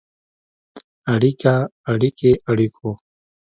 اړیکه ، اړیکې، اړیکو.